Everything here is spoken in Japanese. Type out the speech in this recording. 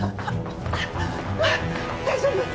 大丈夫？